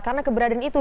karena keberadaan itu